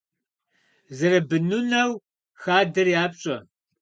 Зэрыбынунэу хадэр япщӏэ.